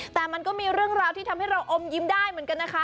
แต่มันก็มีเรื่องราวที่ทำให้เราอมยิ้มได้เหมือนกันนะคะ